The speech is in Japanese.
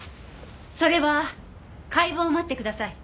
それは解剖を待ってください。